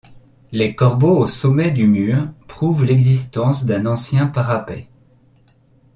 Les corbeaux au sommet du mur prouvent l'existence d'un ancien parapet.